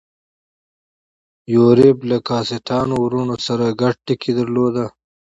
یوریب له کاسټانو وروڼو سره ګډ ټکی درلود.